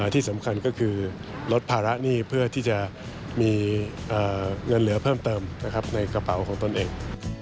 ที่สำคัญก็คือลดภาระหนี้เพื่อที่จะมีเงินเหลือเพิ่มเติมในกระเป๋าของตนเอง